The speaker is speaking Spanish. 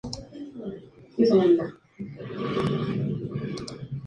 El cráter fue anteriormente designado Borman X, un cráter satelital de Borman.